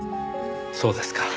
そうですか。